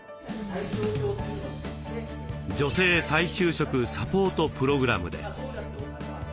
「女性再就職サポートプログラム」です。